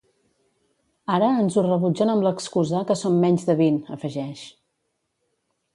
Ara ens ho rebutgen amb l'excusa que som menys de vint, afegeix.